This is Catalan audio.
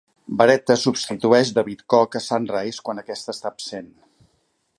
Beretta, substitueix David Koch a Sunrise, quan aquest està absent.